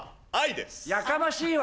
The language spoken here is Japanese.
やかましいわ！